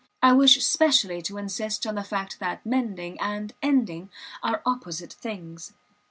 I wish specially to insist on the fact that mending and ending are opposite things.